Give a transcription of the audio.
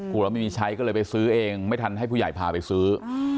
กลัวไม่มีใช้ก็เลยไปซื้อเองไม่ทันให้ผู้ใหญ่พาไปซื้อ